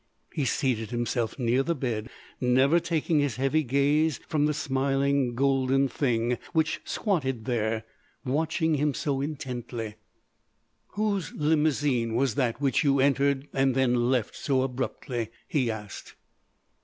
He seated himself near the bed, never taking his heavy gaze from the smiling, golden thing which squatted there watching him so intently. "Whose limousine was that which you entered and then left so abruptly?" he asked.